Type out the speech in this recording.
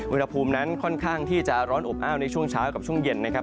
อุณหภูมินั้นค่อนข้างที่จะร้อนอบอ้าวในช่วงเช้ากับช่วงเย็นนะครับ